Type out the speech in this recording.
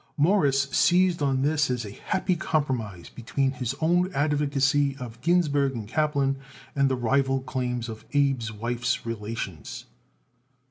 Morris seized on this as a happy compromise between his own advocacy of Ginsburg & Kaplan and the rival claims of Abe's wife's relations.